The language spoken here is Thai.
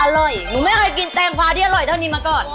หนูไม่เคยกินแตงฟ้าที่อร่อยเท่านี้มาก่อน